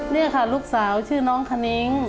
นี่ค่ะลูกสาวชื่อน้องคณิ้ง